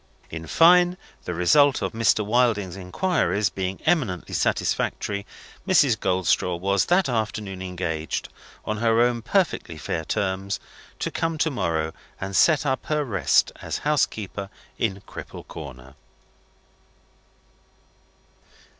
In fine, the result of Mr. Wilding's inquiries being eminently satisfactory, Mrs. Goldstraw was that afternoon engaged (on her own perfectly fair terms) to come to morrow and set up her rest as housekeeper in Cripple Corner.